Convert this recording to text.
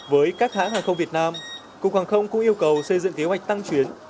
với các hãng hàng không việt nam cục hàng không cũng yêu cầu xây dựng kế hoạch tăng chuyến